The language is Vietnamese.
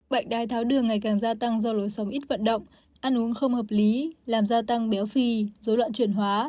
bệnh đai tháo đường ngày càng gia tăng do lối sống ít vận động ăn uống không hợp lý làm gia tăng béo phì dối loạn chuyển hóa